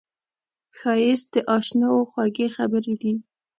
ښایست د اشناوو خوږې خبرې دي